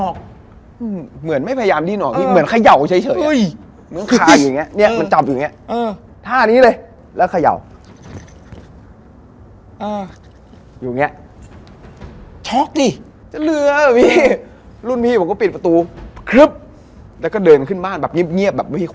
ขนมาตรงนี้นี่แบบนี้